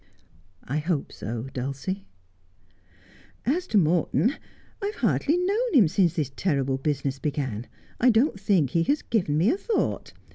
' I hope so, Dulcie.' ' As to Morton, I have hardly known him since this terrible business began. I don't think he has given me a thought.